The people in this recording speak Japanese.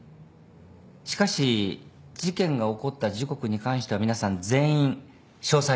しかし事件が起こった時刻に関しては皆さん全員詳細にわたって覚えていた。